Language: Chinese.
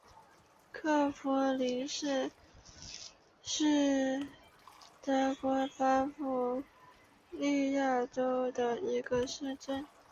克弗灵是德国巴伐利亚州的一个市镇。